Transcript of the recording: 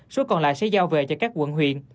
số còn lại sẽ giao về cho các quận huyện